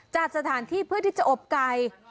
จัดสถานที่เพื่อที่จะอบไก่